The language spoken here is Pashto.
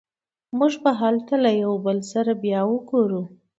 موږ به هلته له یو بل سره بیا وګورو